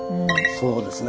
そうですね。